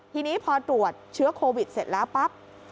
ทีนี้พอตรวจเชื้อโควิดเสร็จแล้วปั๊บ